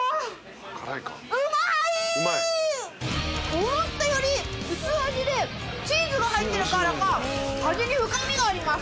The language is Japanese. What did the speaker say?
思ったより薄味でチーズが入ってるからか味に深みがあります。